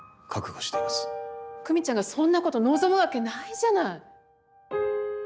久美ちゃんがそんなこと望むわけないじゃない！